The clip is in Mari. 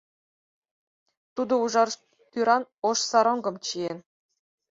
Тудо ужар тӱран ош саронгым чиен.